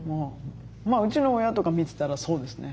うちの親とか見てたらそうですね。